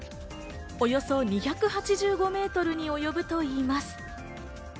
およそ２８５メートルにおよぶといいます。